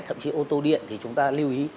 thậm chí ô tô điện thì chúng ta lưu ý